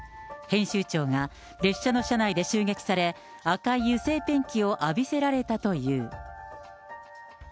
編集長が、列車の車内で襲撃され、赤い油性ペンキを浴びせられたという。